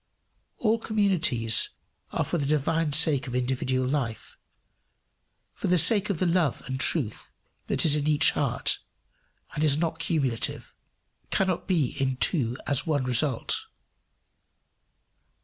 All communities are for the divine sake of individual life, for the sake of the love and truth that is in each heart, and is not cumulative cannot be in two as one result.